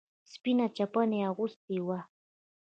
سپينه چپنه يې اغوستې وه.